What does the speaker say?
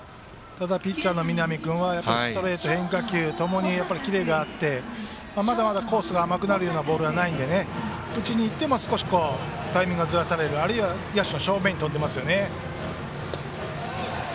ただピッチャーの南君はストレート、変化球ともにキレがあってまだまだコースが甘くなるようなボールはないので打ちにいっても少しタイミングがずらされるあるいは野手の正面に飛んでいますね。